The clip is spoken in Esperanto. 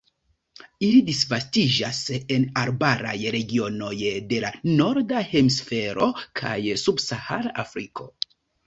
Ili disvastiĝas en arbaraj regionoj de la Norda Hemisfero kaj subsahara Afriko.